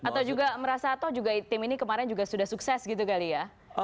atau juga merasa atau juga tim ini kemarin juga sudah sukses gitu kali ya